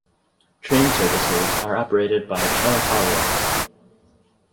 Train services are operated by Trenitalia.